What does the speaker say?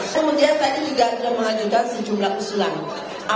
kemudian tadi juga ada mengajukan sejumlah kesulangan